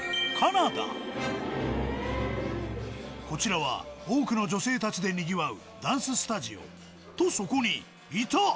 こちらは多くの女性たちでにぎわうダンススタジオとそこにいた！